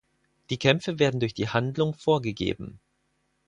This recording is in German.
Die Kämpfe werden durch die Handlung vorgegeben.